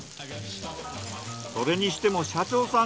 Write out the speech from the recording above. それにしても社長さん